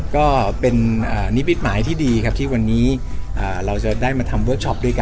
ก็เป็นนิมิตหมายที่ดีครับที่วันนี้เราจะได้มาทำเวิร์คช็อปด้วยกัน